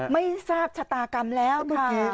ไม่ทราบชะตากรรมแล้วค่ะ